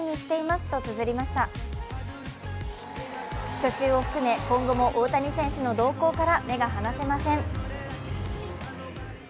去就を含め今後も大谷選手の動向から目が離せません。